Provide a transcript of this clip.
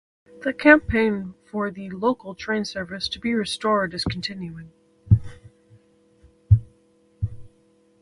The campaign for the local train service to be restored is continuing.